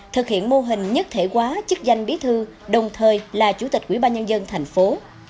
thực hiện mô hình nhất thể quá chức danh bí thư đồng thời là chủ tịch quỹ ba nhân dân thành phố